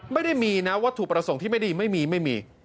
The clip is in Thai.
ไม่ได้มีนะวัตถุประสงค์ที่ไม่ดีไม่มีไม่มี